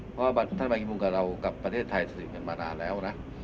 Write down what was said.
เพราะว่าท่านบังคิดว่าเรากับประเทศไทยสถิติกันมานานแล้วนะ